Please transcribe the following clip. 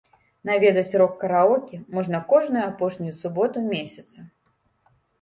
Наведаць рок-караоке можна кожную апошнюю суботу месяца.